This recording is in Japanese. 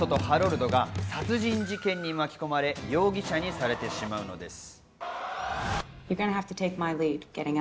バートとハロルドが殺人事件に巻き込まれ、容疑者にされてしまうのです。